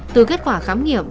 từ kết quả khám nghiệm